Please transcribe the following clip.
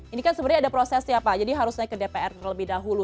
ini kan sebenarnya ada proses ya pak jadi harus naik ke dpr terlebih dahulu